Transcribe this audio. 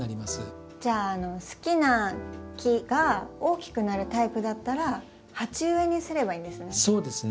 じゃあ好きな木が大きくなるタイプだったら鉢植えにすればいいんですね。